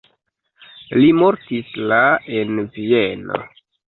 Li mortis la en Vieno.